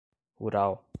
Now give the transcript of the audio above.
rural